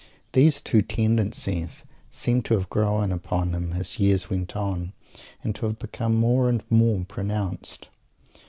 These two tendencies seem to have grown upon him as years went on and to have become more and more pronounced.